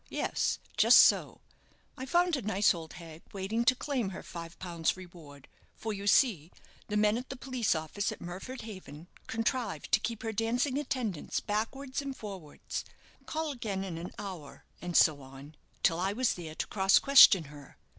Yes, just so. I found a nice old hag waiting to claim her five pounds reward; for, you see, the men at the police office at Murford Haven contrived to keep her dancing attendance backward and forwards call again in an hour, and so on till I was there to cross question her.